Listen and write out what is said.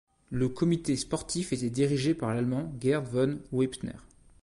Le comité sportif était dirigé par l'allemand Gerd von Hoeppner.